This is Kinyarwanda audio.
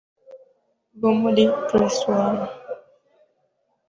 bo muri Press One